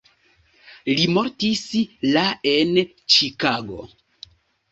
Li mortis la en Ĉikago.